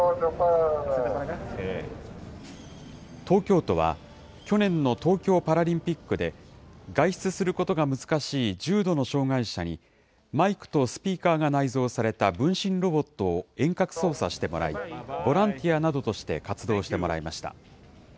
東京都は、去年の東京パラリンピックで、外出することが難しい重度の障害者に、マイクとスピーカーが内蔵された分身ロボットを遠隔操作してもらい、ボランティアなどとして活動してもらいました。